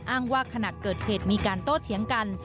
ว่าขณะเกิดเหตุมีการโต้เถียงกัน